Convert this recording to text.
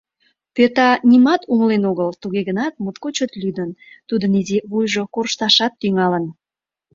Пӧта нимат умылен огыл, туге гынат моткочак чот лӱдын, тудын изи вуйжо коршташат тӱҥалын.